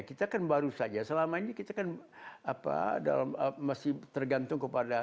kita kan baru saja selama ini kita kan masih tergantung kepada